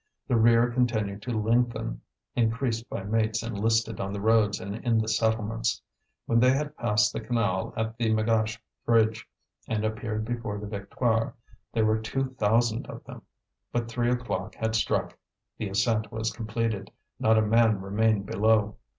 The rear continued to lengthen, increased by mates enlisted on the roads and in the settlements. When they had passed the canal at the Magache bridge, and appeared before the Victoire, there were two thousand of them. But three o'clock had struck, the ascent was completed, not a man remained below.